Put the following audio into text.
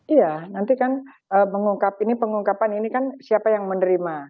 iya nanti kan mengungkap ini pengungkapan ini kan siapa yang menerima